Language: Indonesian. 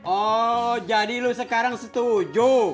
oh jadi lu sekarang setuju